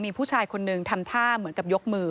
มีผู้ชายคนหนึ่งทำท่าเหมือนกับยกมือ